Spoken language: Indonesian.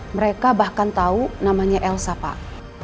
mereka bahkan tahu namanya elsa pak